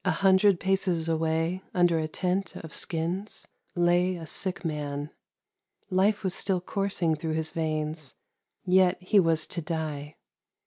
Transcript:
" A hundred paces away, under a tent of skins, lay a sick man; life was still coursing through his veins, yet he was to die.